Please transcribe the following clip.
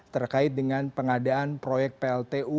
terkait dengan pengadaan proyek pltu